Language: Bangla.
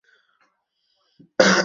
সুমিত্রা, আমার জুতা কোথায়?